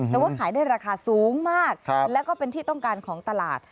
แต่ว่าขายได้ราคาสูงมากแล้วก็เป็นที่ต้องการของตลาด